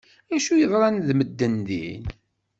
Acu yeḍran d medden din?